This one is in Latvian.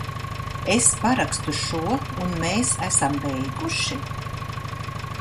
Es parakstu šo, un mēs esam beiguši?